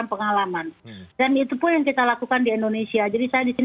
pada tahun dua ribu dua puluh dibuat